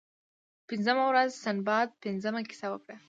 پنځمه ورځ سنباد پنځمه کیسه وکړه.